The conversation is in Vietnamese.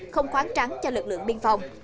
không khoáng trắng cho lực lượng biên phòng